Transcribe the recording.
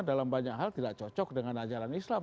dalam banyak hal tidak cocok dengan ajaran islam